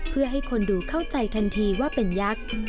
เพื่อให้คนดูเข้าใจทันทีว่าเป็นยักษ์